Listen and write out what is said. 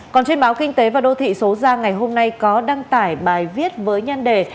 còn trên báo kinh tế và đô thị số ra ngày hôm nay có đăng tải bài viết với nhan đề